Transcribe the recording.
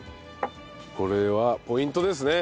これはポイントですね。